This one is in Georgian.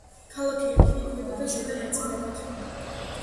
ქალაქი იყოფა ქვედა და ზედა ნაწილებად.